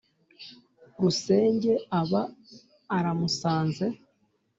rusenge aba aramusanze